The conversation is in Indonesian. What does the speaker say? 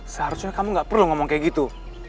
seharusnya kamu gak perlu ngomong kayak gitu